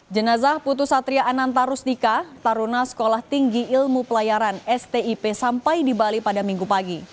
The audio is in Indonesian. jenazah putusatria anantarusdika taruna sekolah tinggi ilmu pelayaran stip sampai di bali pada minggu pagi